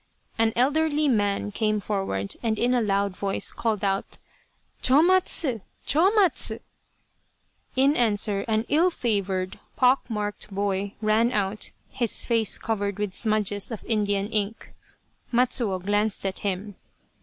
An elderly man came forward, and in a loud voice, called out :" Chomatsu, Chomatsu !" In answer, an ill favoured, pock marked boy ran out, his face covered with smudges of Indian ink. Matsuo glanced at him.